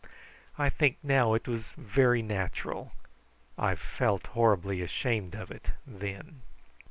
I think now it was very natural: I felt horribly ashamed of it then.